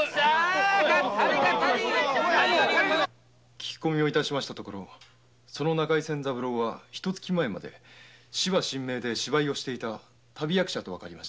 聞き込みをしたところ中井仙三郎は一か月前まで芝神明で芝居をしていた旅役者とわかりました。